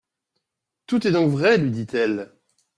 Tout est donc vrai, lui dit-elle.